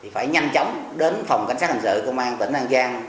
phải nhanh chóng đến phòng cảnh sát hình sự công an tỉnh an giang